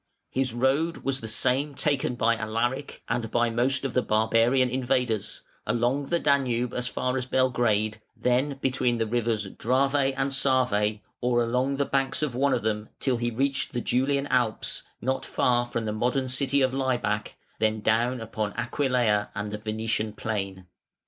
His road was the same taken by Alaric and by most of the barbarian invaders; along the Danube as far as Belgrade, then between the rivers Drave and Save or along the banks of one of them till he reached the Julian Alps (not far from the modern city of Laibach), then down upon Aquileia and the Venetian plain.